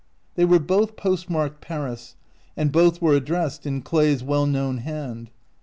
They were both postmarked Paris, and both were addressed in Clay's well known hand.